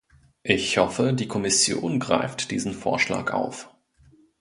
Ich hoffe, die Kommission greift diesen Vorschlag auf.